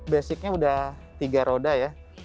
basicnya udah tiga roda ya